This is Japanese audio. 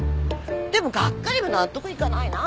でもがっかりは納得いかないなぁ。